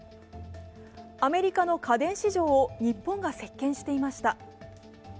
アメリカの家電市場を日本が席巻していました。